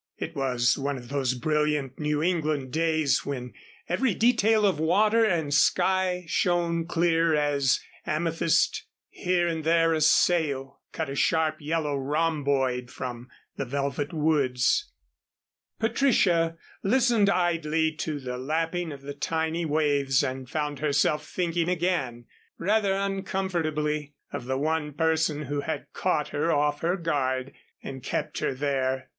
It was one of those brilliant New England days when every detail of water and sky shone clear as an amethyst. Here and there a sail cut a sharp yellow rhomboid from the velvet woods. Patricia listened idly to the lapping of the tiny waves and found herself thinking again rather uncomfortably of the one person who had caught her off her guard and kept her there.